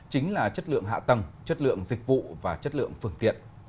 chính là chất lượng hạ tầng chất lượng dịch vụ và chất lượng phương tiện